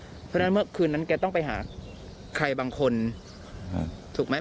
เพราะฉะนั้นเมื่อคืนนั้นแกต้องไปหาใครบางคนถูกไหม